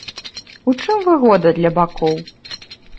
У чым выгода для бакоў?